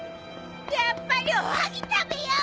やっぱりおはぎ食べよう！